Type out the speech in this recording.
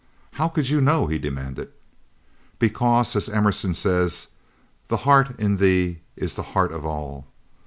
"How could you know?" he demanded. "Because, as Emerson says, 'the heart in thee is the heart of all.'